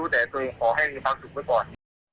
ก็ควรขอให้คุณฟังถึงไว้ก่อน